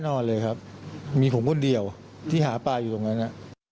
นอนเลยครับมีผมคนเดียวที่หาปลาอยู่ตรงนั้น